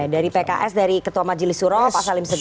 dari pks dari ketua majelis surol pak salim segaf